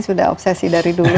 sudah obsesi dari dulu